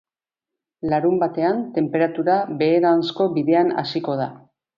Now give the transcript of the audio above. Larunbatean tenperatura beheranzko bidean hasiko da.